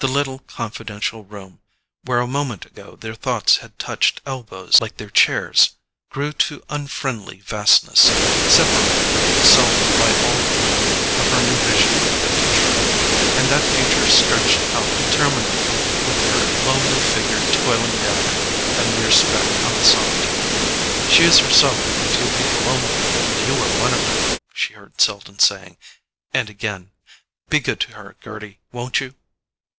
The little confidential room, where a moment ago their thoughts had touched elbows like their chairs, grew to unfriendly vastness, separating her from Selden by all the length of her new vision of the future—and that future stretched out interminably, with her lonely figure toiling down it, a mere speck on the solitude. "She is herself with a few people only; and you are one of them," she heard Selden saying. And again: "Be good to her, Gerty, won't you?"